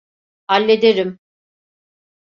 Hallederim.